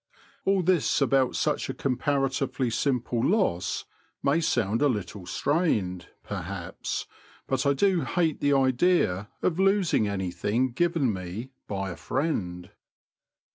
All this about such a comparatively simple loss may sound a little strained, perhaps, but I do hate the idea of losing anything given me by a friend.